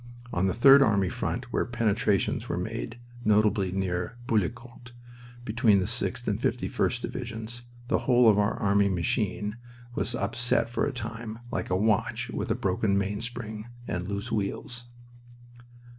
On the Third Army front where penetrations were made, notably near Bullecourt between the 6th and 51st Divisions, the whole of our army machine was upset for a time like a watch with a broken mainspring and loose wheels.